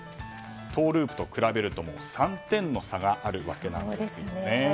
トウループと比べると３点の差があるわけなんですよね。